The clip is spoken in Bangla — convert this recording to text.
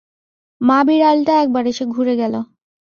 মা-বিড়ালটা একবার এসে ঘুরে গেল।